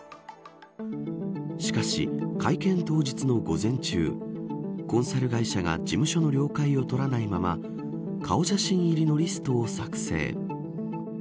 しかし、会見当日の午前中コンサル会社が事務所の了解を取らないまま顔写真入りのリストを作成。